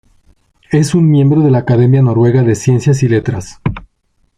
Es un miembro de la Academia Noruega de Ciencias y Letras.